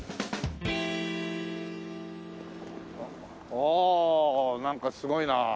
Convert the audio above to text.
おおなんかすごいなあ。